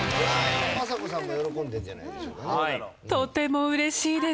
政子さんも喜んでるんじゃないでしょうかね。